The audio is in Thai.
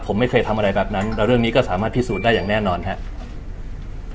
ผมไม่เคยทำอะไรแบบนั้นแต่เรื่องนี้ก็สามารถพิสูจน์ได้อย่างแน่นอนครับ